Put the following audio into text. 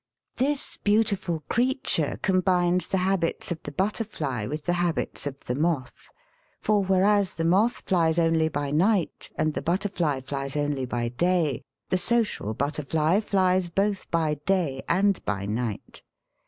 This beautiful creature combines the habits of the butterfly with the habits of the moth. For whereas the moth flies only by night and the but terfly flies only by day, the social butterfly flies both by day and by night.